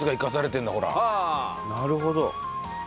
なるほど。